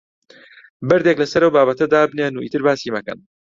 بەردێک لەسەر ئەو بابەتە دابنێن و ئیتر باسی مەکەن.